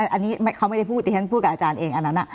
อันนี้เขาไม่ได้พูดที่ฉันพูดกับอาจารย์เองอันนั้น